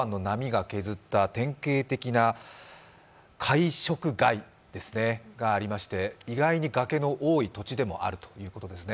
東京湾の波が削った典型的な海食崖がありまして意外に崖の多い土地でもあるということですね。